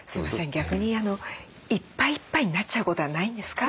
逆にいっぱいいっぱいになっちゃうことはないんですか？